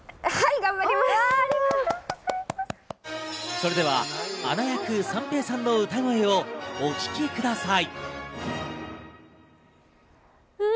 それではアナ役・三平さんの歌声をお聞きください。